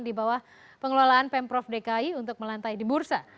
di bawah pengelolaan pemprov dki untuk melantai di bursa